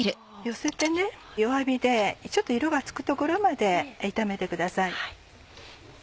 寄せて弱火でちょっと色がつくところまで炒めてください。